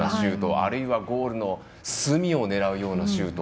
あるいはゴールの隅を狙うようなシュート。